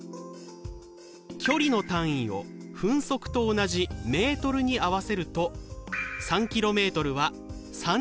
距離の単位を分速と同じメートルに合わせると３ｋｍは３０００ｍ。